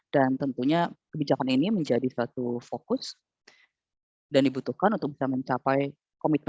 dan tentunya kebijakan ini menjadi satu fokus dan dibutuhkan untuk bisa mencapai komitmen